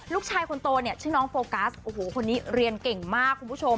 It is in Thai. ลูกชายคนโตเนี่ยชื่อน้องโฟกัสโอ้โหคนนี้เรียนเก่งมากคุณผู้ชม